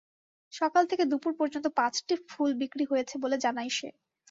সকাল থেকে দুপুর পর্যন্ত পাঁচটি ফুল বিক্রি হয়েছে বলে জানায় সে।